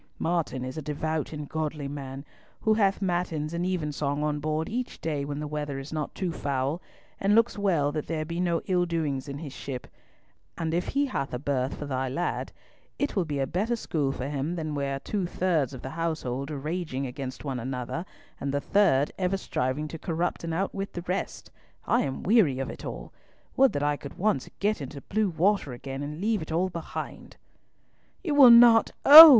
Martin is a devout and godly man, who hath matins and evensong on board each day when the weather is not too foul, and looks well that there be no ill doings in his ship; and if he have a berth for thy lad, it will be a better school for him than where two thirds of the household are raging against one another, and the third ever striving to corrupt and outwit the rest. I am weary of it all! Would that I could once get into blue water again, and leave it all behind!" "You will not! Oh!